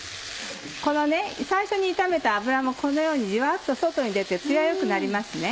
この最初に炒めた油もこのようにジワっと外に出てツヤよくなりますね。